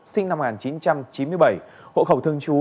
sinh năm một nghìn chín trăm chín mươi bảy hộ khẩu thương chú